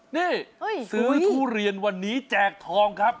นี่ซื้อทุเรียนวันนี้แจกทองครับ